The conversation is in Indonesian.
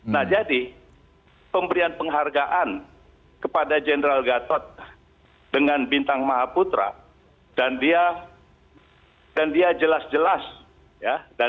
nah jadi pemberian penghargaan kepada general gatot dengan bintang maha putra dan dia dan dia jelas jelas ya